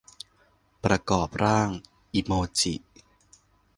ประกอบร่างอิโมจิ